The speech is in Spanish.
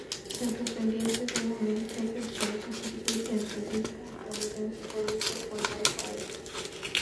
El descendiente de Anne es el poeta, físico y ensayista estadounidense Oliver Wendell Holmes.